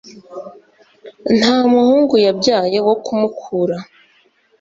nta muhungu yabyaye wo kumukura